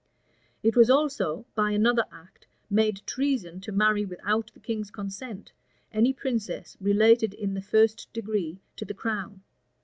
It was also, by another act, made treason to marry, without the king's consent, any princess related in the first degree to the crown.